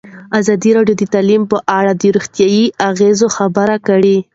ازادي راډیو د تعلیم په اړه د روغتیایي اغېزو خبره کړې.